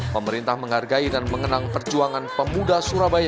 pemerintah menghargai dan mengenang perjuangan pemuda surabaya